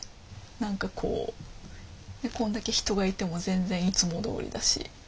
何かこうこんだけ人がいても全然いつもどおりだし。